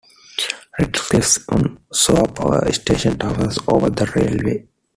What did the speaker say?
Ratcliffe-on-Soar power station towers over the railway.